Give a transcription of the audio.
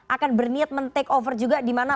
akan berniat men take over juga di mana